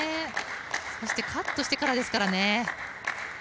そしてカットしてからですからね。